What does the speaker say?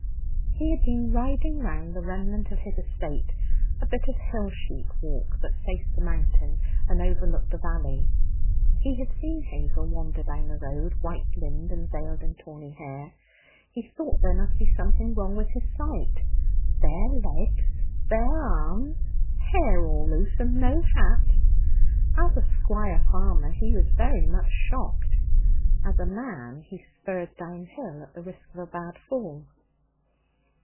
He had been riding round the remnant of his estate, a bit of hill sheep walk that faced the Mountain and overlooked the valley. He had seen Hazel wander down the road, white limbed and veiled in tawny hair. He thought there must be something wrong with his sight. Bare legs! Bare arms! Hair all loose, and no hat! As a squire farmer, he was very much shocked. As a man, he spurred downhill at the risk of a bad fall.